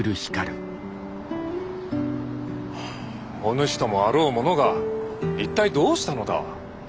おぬしともあろう者が一体どうしたのだ？